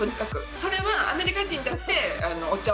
それはアメリカ人だって、おっちゃん